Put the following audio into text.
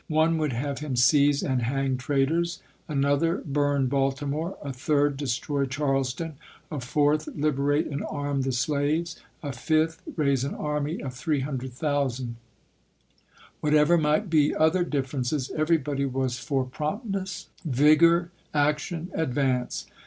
One would have him seize and hang traitors ; another, burn Baltimore ; a third, destroy Charleston; a fourth, liberate and arm the slaves; a fifth, raise an army of 300,000. What ever might be other differences, everybody was for promptness, vigor, action, advance.